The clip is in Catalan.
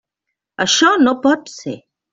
Això no pot ser.